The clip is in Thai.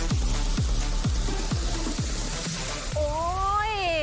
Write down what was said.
โอ๊ย